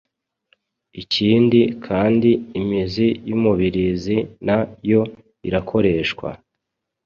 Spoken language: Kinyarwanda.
ikindi kandi imizi y’umubirizi na yo irakoreshwa